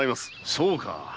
そうか。